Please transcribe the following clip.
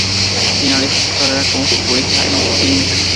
Finalizó su carrera como futbolista en Quilmes.